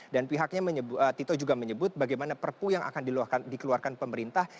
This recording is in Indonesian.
dan pihaknya tito juga menyebut bagaimana perpu yang akan dikeluarkan pemerintah